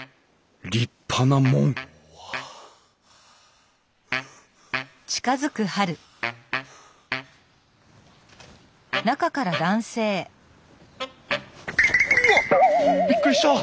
立派な門うわっびっくりした！